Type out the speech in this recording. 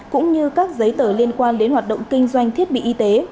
cũng như các giấy tờ liên quan đến hoạt động kinh doanh thiết bị y tế